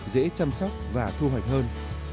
dễ chăm sóc và thu hoạch hơn